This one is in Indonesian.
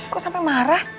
kok sampe marah